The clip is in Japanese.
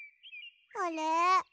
あれ？